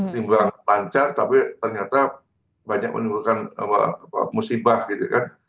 timbang lancar tapi ternyata banyak menimbulkan musibah gitu kan